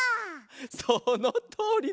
そのとおりだ！